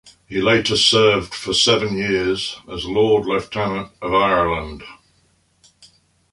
He later served for seven years as Lord Lieutenant of Ireland.